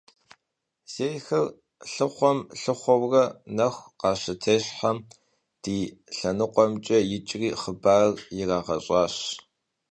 Зейхэр лъыхъуэм-лъыхъуэурэ нэху къащытещхьэм, ди лъэныкъуэмкӀэ икӀри хъыбар ирагъэщӀащ.